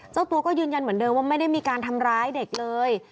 เจ้าตัวก็ยืนยันเหมือนเดิมว่าไม่ได้มีการทำร้ายเด็กเลย